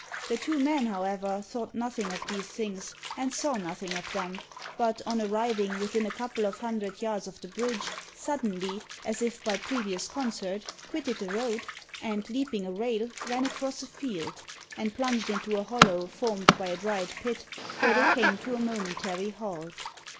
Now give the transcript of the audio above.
The two men, however, thought nothing of these things, and saw nothing of them; but, on arriving within a couple of hundred yards of the bridge, suddenly, as if by previous concert, quitted the road, and, leaping a rail, ran across a field, and plunged into a hollow formed by a dried pit, where they came to a momentary halt.